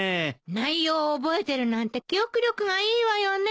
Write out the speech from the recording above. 内容を覚えてるなんて記憶力がいいわよねえ。